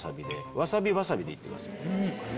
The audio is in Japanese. わさびわさびでいってください。